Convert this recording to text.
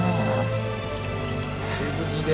ご無事で。